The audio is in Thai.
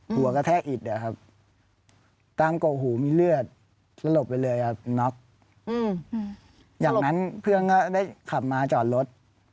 หัวกระแทกอิดอะครับตามกกหูมีเลือดสลบไปเลยครับน็อกจากนั้นเพื่อนก็ได้ขับมาจอดรถ